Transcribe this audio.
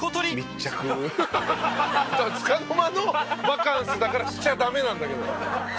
「密着つかの間のバカンスだからしちゃダメなんだけど」